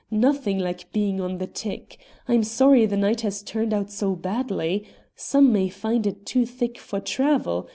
Nothing like being on the tick. I'm sorry the night has turned out so badly. Some may find it too thick for travel.